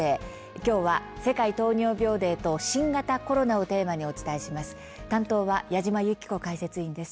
きょうは「世界糖尿病デーと新型コロナ」をテーマにお伝えします。